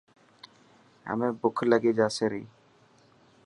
همي بک لکي جاسي ري.